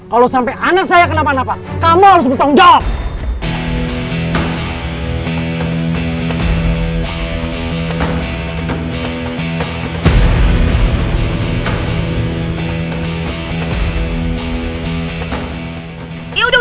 kalau sampai anak saya kenapa napa kamu harus bertanggung jawab